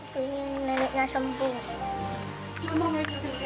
pengen neneknya sembuh